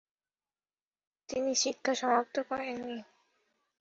তিনি শিক্ষা সমাপ্ত করেননি।